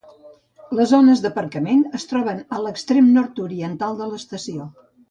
Les zones d'aparcament es troben a l'extrem nord-oriental de l'estació.